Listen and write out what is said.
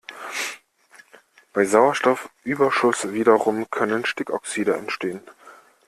Bei Sauerstoffüberschuss wiederum können Stickoxide entstehen.